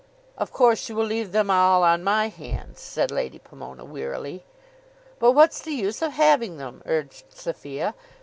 "Of course you will leave them all on my hands," said Lady Pomona wearily. "But what's the use of having them?" urged Sophia.